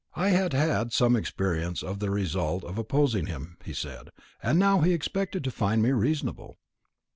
I had had some experience of the result of opposing him, he said, and he now expected to find me reasonable.